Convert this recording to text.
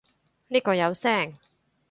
呢個有聲